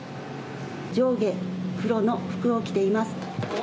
上下黒の服を着ています。